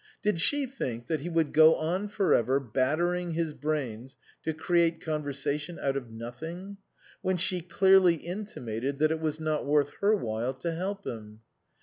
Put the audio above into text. Did she think that he would go on for ever battering his brains to create conversation out of nothing, when she clearly intimated that it was not worth her while to help him